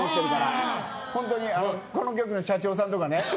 ホントにこの局の社長さんとかね。